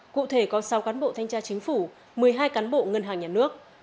cụ thể có sáu cán bộ thanh tra chính phủ một mươi hai cán bộ ngân hàng nhà nước